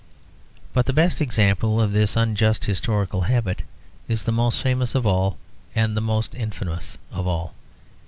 But the best example of this unjust historical habit is the most famous of all and the most infamous of all.